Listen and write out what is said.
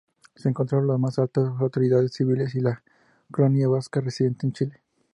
Se encontraron las más altas autoridades civiles y la colonia Vasca residente en Chile.